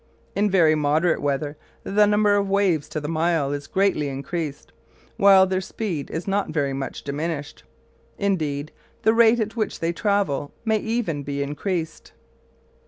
In very moderate weather the number of waves to the mile is greatly increased, while their speed is not very much diminished. Indeed the rate at which they travel may even be increased.